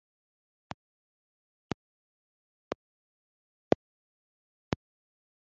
Tugomba gusaba Tom ngo adukorere, sibyo?